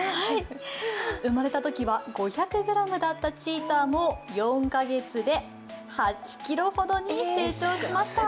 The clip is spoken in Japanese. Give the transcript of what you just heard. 生まれたときは５００ｇだったチーターも４カ月で８ｋｇほどに成長しました。